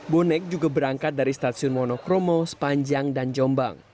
bonek juga berangkat dari stasiun monokromo sepanjang dan jombang